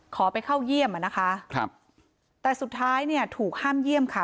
ขอไปเข้าเยี่ยมนะคะแต่สุดท้ายถูกห้ามเยี่ยมค่ะ